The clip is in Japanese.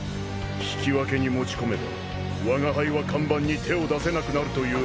引き分けに持ち込めばわが輩は看板に手を出せなくなるという腹か。